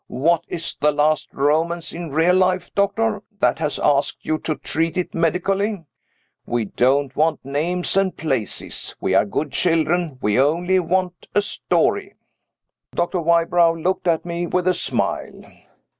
What is the last romance in real life, doctor, that has asked you to treat it medically? We don't want names and places we are good children; we only want a story." Dr. Wybrow looked at me with a smile.